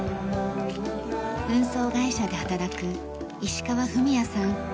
運送会社で働く石川史也さん。